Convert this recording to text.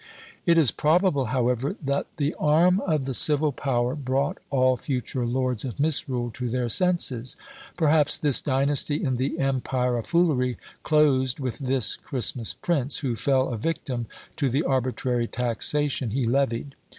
It is probable, however, that the arm of the civil power brought all future Lords of Misrule to their senses. Perhaps this dynasty in the empire of foolery closed with this Christmas prince, who fell a victim to the arbitrary taxation he levied.